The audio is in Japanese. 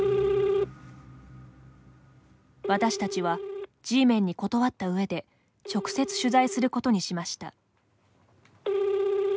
私たちはＧメンに断ったうえで直接、取材することにしました。